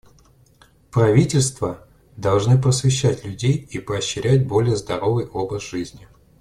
Правительства должны просвещать людей и поощрять более здоровый образ жизни.